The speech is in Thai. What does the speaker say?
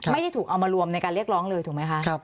ไม่ได้ถูกเอามารวมในการเรียกร้องเลยถูกไหมคะ